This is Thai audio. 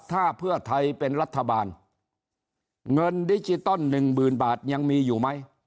ถ้าเพื่อไทยเป็นรัฐบาลเงินดิจิตอลหนึ่งหมื่นบาทยังมีอยู่ไหม